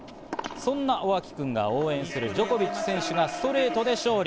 そんな尾脇君が応援するジョコビッチ選手がストレートで勝利。